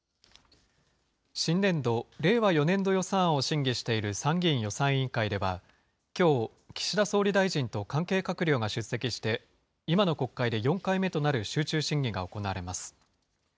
新年度・令和４年度予算案を審議している参議院予算委員会では、きょう、岸田総理大臣と関係閣僚が出席して、今の国会で４回目となる集中審議が行われます。